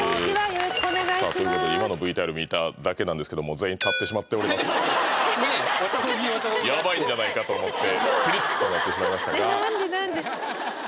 よろしくお願いしますさあということで今のＶＴＲ見ただけなんですけども全員ヤバいんじゃないかと思ってピリッとなってしまいましたがえっ何で何で？